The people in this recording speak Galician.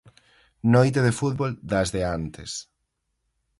Noite de fútbol das de antes.